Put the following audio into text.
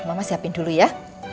mama siapin dulu ya